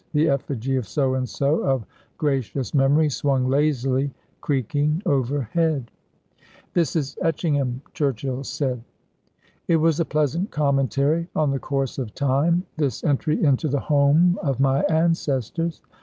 The effigy of So and So of gracious memory swung lazily, creaking, overhead. "This is Etchingham," Churchill said. It was a pleasant commentary on the course of time, this entry into the home of my ancestors.